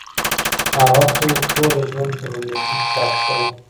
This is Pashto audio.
هغه خو ټوله ژوند په بندګي كي پــاته سـوى